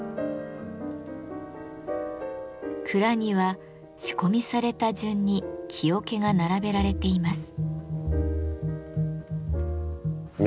蔵には仕込みされた順に木桶が並べられています。